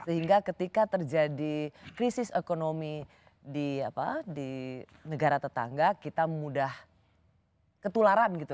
sehingga ketika terjadi krisis ekonomi di negara tetangga kita mudah ketularan gitu